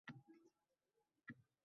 O‘tin tegib ketdi, – dedi onam sekingina.